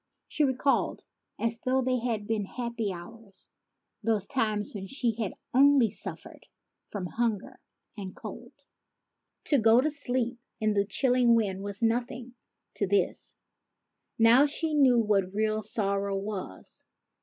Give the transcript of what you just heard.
She recalled, as though they had been happy hours, those times when she had only suffered from hunger and cold. To 86 THE FAIRY SPINNING WHEEL go to sleep in the chilling wind was nothing to this. Now she knew what real sorrow was.